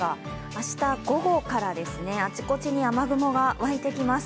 明日、午後からあちこちに雨雲がわいてきます。